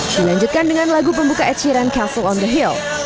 dilanjutkan dengan lagu pembuka ed sheeran castle on the hill